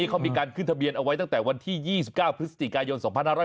เขามีการขึ้นทะเบียนเอาไว้ตั้งแต่วันที่๒๙พฤศจิกายน๒๕๖๐